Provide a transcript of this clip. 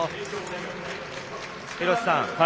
廣瀬さん